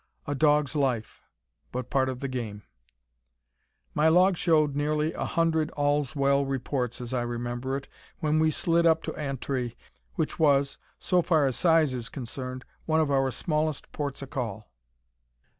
A dog's life, but part of the game. My log showed nearly a hundred "All's well" reports, as I remember it, when we slid up to Antri, which was, so far as size is concerned, one of our smallest ports o' call.